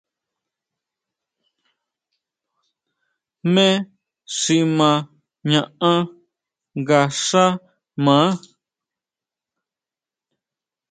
¿Jmé xi ma ñaʼán nga xá maá.